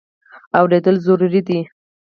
اورېدل ضروري دی.